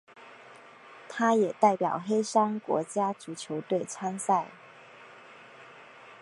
他也代表黑山国家足球队参赛。